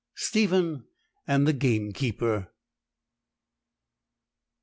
STEPHEN AND THE GAMEKEEPER.